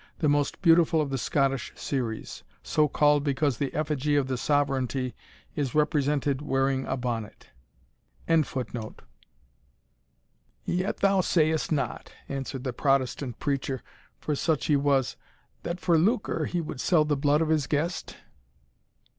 the most beautiful of the Scottish series; so called because the effigy of the sovereignty is represented wearing a bonnet.] "Yet thou sayest not," answered the Protestant preacher, for such he was, "that for lucre he would sell the blood of his guest?"